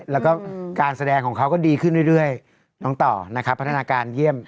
แล้วก็การแสดงของเขาก็ดีขึ้นเรื่อยน้องต่อนะครับพัฒนาการเยี่ยม